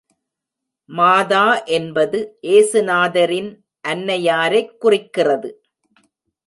மாதா என்பது ஏசுநாதரின் அன்னையாரைக் குறிக்கிறது.